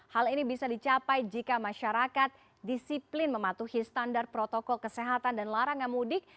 hal ini bisa dicapai jika masyarakat disiplin mematuhi standar protokol kesehatan dan larangan mudik